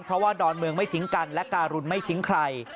เพราะว่าดอนเมืองไม่ทิ้งกันและการุณไม่ทิ้งใคร